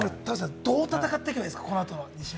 どう戦っていけばいいですか？